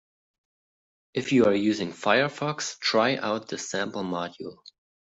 If you are using Firefox, try out this sample module.